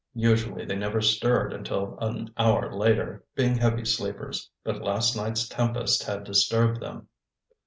Usually they never stirred until an hour later, being heavy sleepers; but last night's tempest had disturbed them.